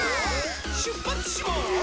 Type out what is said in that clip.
しゅっぱつします！